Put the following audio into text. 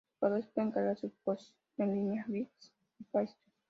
Los jugadores pueden cargar sus "spots" en línea vía Xbox o Playstation.